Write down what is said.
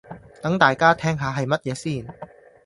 等大家聽下係乜嘢先